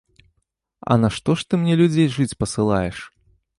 А нашто ж ты мне людзей жыць пасылаеш?